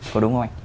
có đúng không anh